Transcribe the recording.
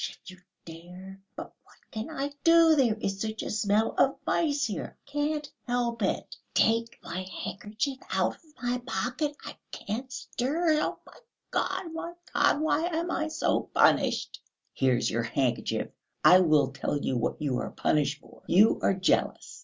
"Hush, if you dare." "But what can I do, there is such a smell of mice here; I can't help it. Take my handkerchief cut of my pocket; I can't stir.... Oh, my God, my God, why am I so punished?" "Here's your handkerchief! I will tell you what you are punished for. You are jealous.